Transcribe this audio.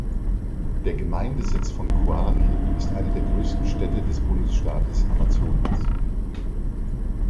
Der Gemeindesitz von Coari ist eine der größten Städte des Bundesstaates Amazonas.